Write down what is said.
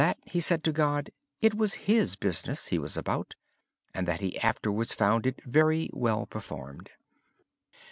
He said to God, it was His business he was about, and that he afterwards found it very well performed.